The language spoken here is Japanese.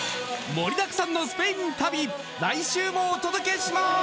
盛りだくさんのスペイン旅来週もお届けします！